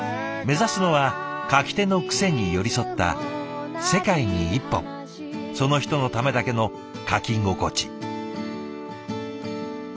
目指すのは書き手の癖に寄り添った世界に一本その人のためだけの書き心地。